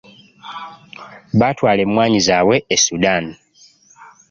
Baatwala emmwanyi zaabwe e Sudan.